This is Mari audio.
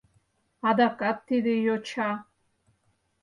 Адакат тиде йоча